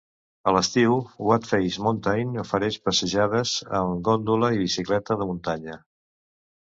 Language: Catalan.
A l'estiu, Whiteface Mountain ofereix passejades en gòndola i bicicleta de muntanya.